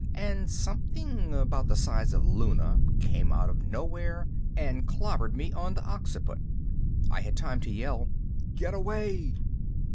And something about the size of Luna came out of nowhere and clobbered me on the occiput. I had time to yell, "Get away!"